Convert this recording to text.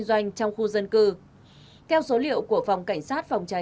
làm tốt công tác phòng cháy của phòng cảnh sát phòng cháy